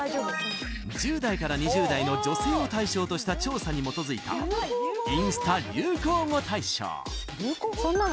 １０代から２０代の女性を対象とした調査に基づいたインスタ流行語大賞